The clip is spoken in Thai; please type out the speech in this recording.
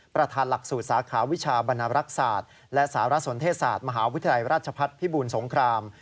ประธานหลักสูตรสาขาวิชาบรรณรักษาและสารสนเทศศาสตร์มหาวิทยาลัยราชพัฒน์พิบูลสงคราม